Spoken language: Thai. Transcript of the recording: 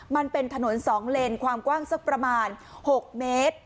มันเป็นถนน๒เลนความกว้างสักประมาณ๖เมตร